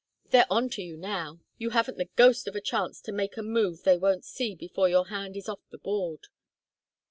They're onto you now. You haven't the ghost of a chance to make a move they won't see before your hand is off the board."